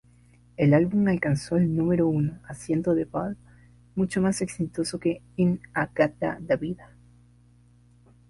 El álbum alcanzó el número uno, haciendo de "Ball" mucho más exitoso que "In-A-Gadda-Da-Vida".